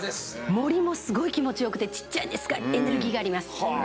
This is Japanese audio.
森もすごい気持ち良くてちっちゃいんですがエネルギーがあります。